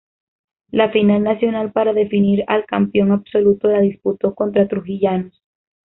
La final nacional para definir al campeón absoluto la disputó contra Trujillanos.